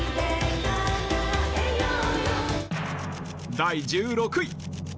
第１６位。